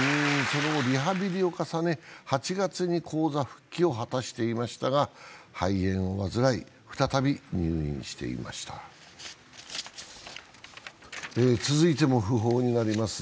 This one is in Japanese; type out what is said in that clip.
その後リハビリを重ね、８月に高座復帰を果たしていましたが、肺炎を患い、再び入院していました続いても訃報になります。